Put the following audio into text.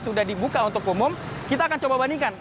sudah dibuka untuk umum kita akan coba bandingkan